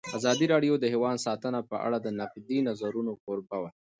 ازادي راډیو د حیوان ساتنه په اړه د نقدي نظرونو کوربه وه.